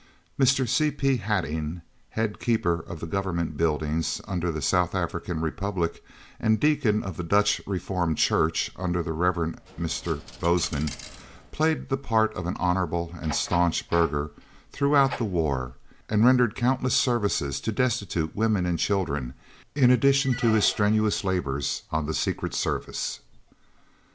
Mr. C.P. Hattingh, head keeper of the Government Buildings under the South African Republic and deacon of the Dutch Reformed Church under the Reverend Mr. Bosman, played the part of an honourable and staunch burgher throughout the war, and rendered countless services to destitute women and children, in addition to his strenuous labours on the Secret Service.